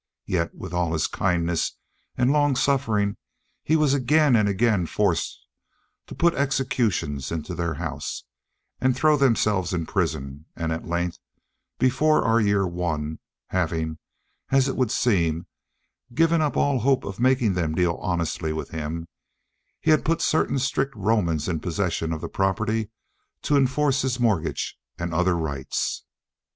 Yet with all his kindness and long suffering he was again and again forced to put executions into their houses, and throw themselves into prison; and at length, before our year One, having, as it would seem, given up all hope of making them deal honestly with him, he had put certain strict Romans in possession of the property to enforce his mortgage and other rights.